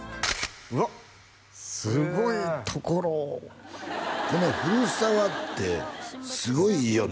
うわっすごいところをこの古澤ってすごいいいよね